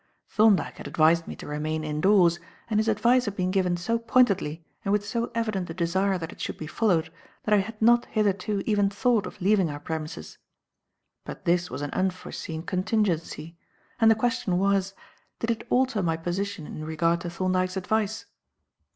Thorndyke had advised me to remain indoors, and his advice had been given so pointedly and with so evident a desire that it should be followed that I had not hitherto even thought of leaving our premises. But this was an unforeseen contingency; and the question was, did it alter my position in regard to Thorndyke's advice?